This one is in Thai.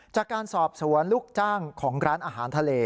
จากการสอบสวนลูกจ้างของร้านอาหารทะเล